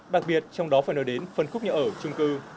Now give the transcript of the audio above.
đặc biệt trong đó phải nói đến phân khúc nhà ở trung cư